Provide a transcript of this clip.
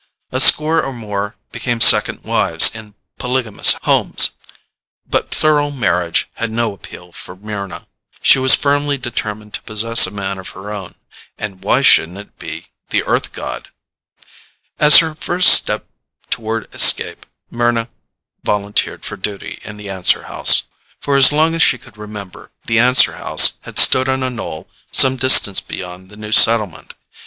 A score or more became second wives in polygamous homes, but plural marriage had no appeal for Mryna. She was firmly determined to possess a man of her own. And why shouldn't it be the Earth god? As her first step toward escape, Mryna volunteered for duty in the answer house. For as long as she could remember, the answer house had stood on a knoll some distance beyond the new settlement.